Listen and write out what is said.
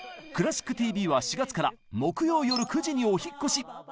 「クラシックＴＶ」は４月から木曜よる９時にお引っ越し！